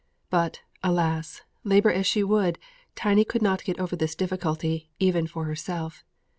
But, alas! labour as she would, Tiny could not get over this difficulty even for herself.